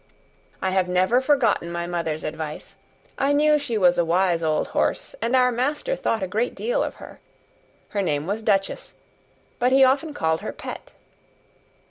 I have never forgotten my mother's advice; I knew she was a wise old horse, and our master thought a great deal of her. Her name was Duchess, but he often called her Pet.